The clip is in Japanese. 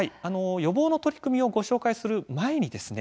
予防の取り組みをご紹介する前にですね